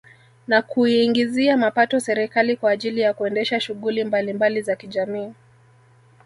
Na kuiingizia mapato serikali kwa ajili ya kuendesha shughuli mbalimbali za kijamiii